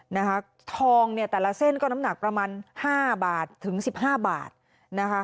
นะคะทองเนี่ยแต่ละเส้นก็น้ำหนักประมาณห้าบาทถึงสิบห้าบาทนะคะ